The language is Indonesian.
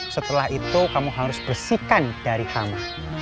setelah itu kamu harus bersihkan dari hama